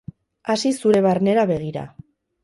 Hasi zure barnera begira.